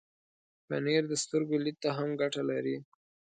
پنېر د سترګو لید ته هم ګټه لري.